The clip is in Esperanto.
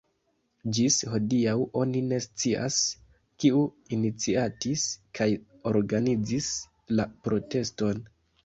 Ĝis hodiaŭ oni ne scias, kiu iniciatis kaj organizis la proteston.